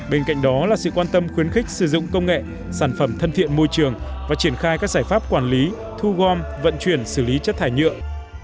bên cạnh đó là sự quan tâm khuyến khích sử dụng công nghệ sản phẩm thân thiện môi trường và triển khai các giải pháp quản lý thu gom vận chuyển xử lý chất thải nhựa